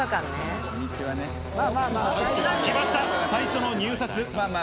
きました、最初の入札。